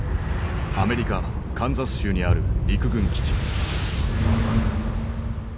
アメリカカンザス州にある陸軍基地。